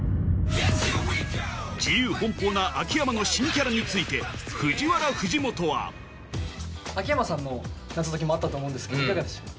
自由奔放な秋山の新キャラについてＦＵＪＩＷＡＲＡ・藤本は秋山さんの謎解きもあったと思うんですけどいかがでしたか？